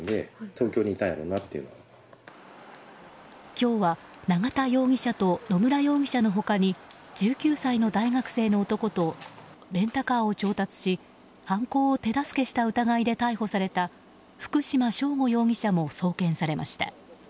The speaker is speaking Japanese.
今日は永田容疑者と野村容疑者の他に１９歳の大学生の男とレンタカーを調達し犯行を手助けした疑いで逮捕された福島聖悟容疑者も送検されました。